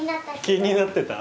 気になってた？